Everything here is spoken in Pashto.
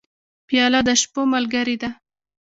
پیاله د شپو ملګرې ده.